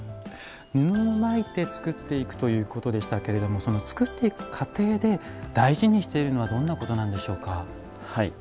布を巻いて作っていくということでしたけれどもその作っていく過程で大事にしているのはどんなことなんでしょうか。